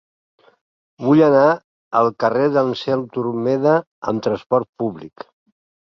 Vull anar al carrer d'Anselm Turmeda amb trasport públic.